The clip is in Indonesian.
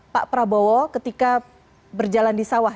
pak prabowo ketika berjalan di sawah